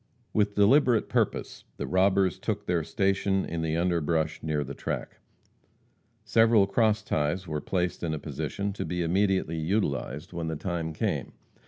With deliberate purpose the robbers took their station in the underbrush near the track. Several cross ties were placed in a position to be immediately utilized when the time came.